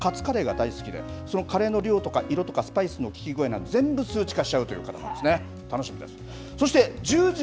この方、カツカレーが大好きでそのカレーの量とか色とかスパイスの効き具合など全部数値化しちゃうという方なんですね、楽しみです。